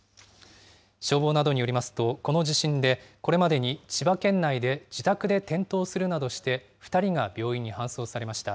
消防などによりますと、この地震でこれまでに、千葉県内で自宅で転倒するなどして２人が病院に搬送されました。